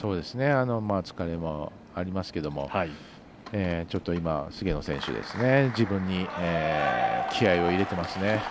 疲れもありますけどもちょっと今、菅野選手自分に気合いを入れてますね。